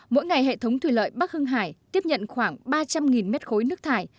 mỗi ngày hệ thống thủy lợi bắc hưng hải tiếp nhận khoảng ba trăm linh m ba nước thải